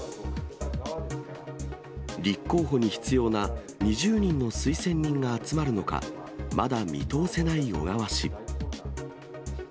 立候補に必要な２０人の推薦人が集まるのか、まだ見通せない小川氏。